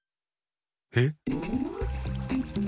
えっ？